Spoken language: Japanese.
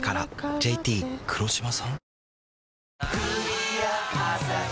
ＪＴ黒島さん？